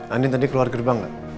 anang keluar gerbang